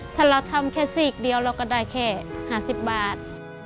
ถ้าเราทำแค่ซีกเดียวเราก็ได้แค่๕๐บาท